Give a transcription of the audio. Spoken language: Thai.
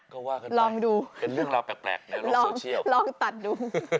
ก็ว่ากันดูลองดูเป็นเรื่องราวแปลกในโซเชียลลองตัดดู